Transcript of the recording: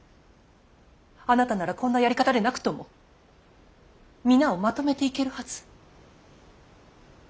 あなたならこんなやり方でなくとも皆をまとめていけるはず。